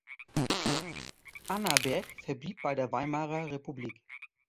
Annaberg verblieb bei der Weimarer Republik.